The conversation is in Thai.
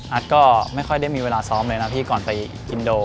ก็ไม่ค่อยได้มีเวลาซ้อมเลยนะพี่ก่อนไปอินโด